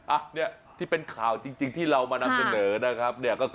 อันนี้ที่เป็นข่าวจริงที่เรามานำเสนอนะครับ